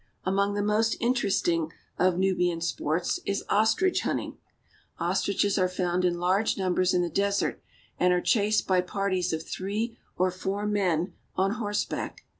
Among the most interesting of Nubian sports is ostrich hunting. Ostriches are found in large numbers in the desert, and are chased by parties of three or four men on horseback.